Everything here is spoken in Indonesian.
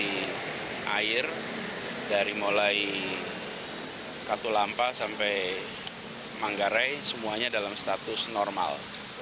dari air dari mulai katulampa sampai manggarai semuanya dalam status normal